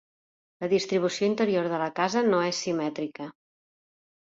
La distribució interior de la casa no és simètrica.